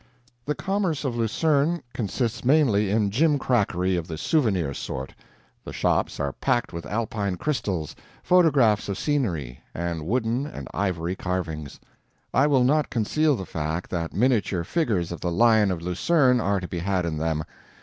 The commerce of Lucerne consists mainly in gimcrackery of the souvenir sort; the shops are packed with Alpine crystals, photographs of scenery, and wooden and ivory carvings. I will not conceal the fact that miniature figures of the Lion of Lucerne are to be had in them.